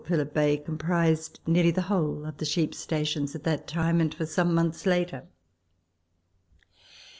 39 Phillip Bay comprised nearly the whole of the sheep stations at that time and for some months later.